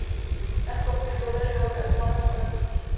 Na sklonku života žil a pracoval na Slovensku.